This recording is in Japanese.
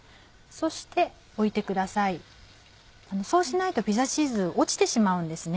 そうしないとピザチーズ落ちてしまうんですね。